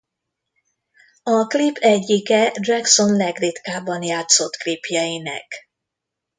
A klip egyike Jackson legritkábban játszott klipjeinek.